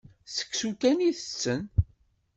D seksu kan i tetten.